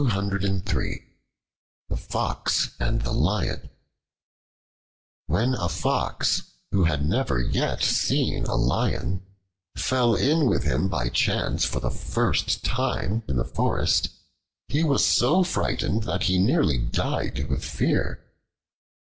The Fox and the Lion WHEN A FOX who had never yet seen a Lion, fell in with him by chance for the first time in the forest, he was so frightened that he nearly died with fear.